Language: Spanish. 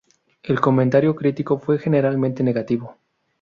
El comentario crítico fue generalmente negativo.